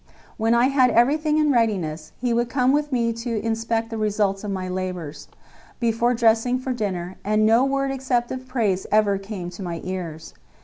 When I had everything in readiness, he would come with me to inspect the result of my labors, before dressing for dinner, and no word except of praise ever came to my ears.